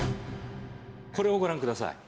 これをご覧ください。